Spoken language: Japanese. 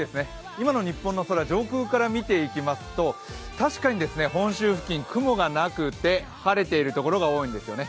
今の日本の空、上空から見ていきますと確かに本州付近、雲がなくて晴れているところが多いんですね。